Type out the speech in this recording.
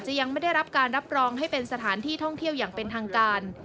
ยังไม่ได้รับการรับรองให้เป็นสถานที่ท่องเที่ยวอย่างเป็นทางการ